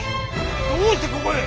どうしてここへ？